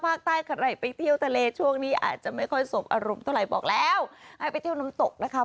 ใครไปเที่ยวทะเลช่วงนี้อาจจะไม่ค่อยสบอารมณ์เท่าไหร่บอกแล้วให้ไปเที่ยวน้ำตกนะคะ